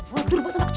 waduh batal akcil